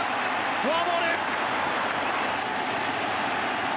フォアボール。